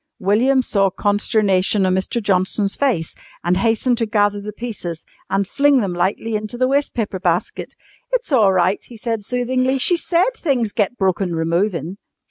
William saw consternation on Mr. Johnson's face and hastened to gather the pieces and fling them lightly into the waste paper basket. "It's all right," he said soothingly. "She said things get broken removin'."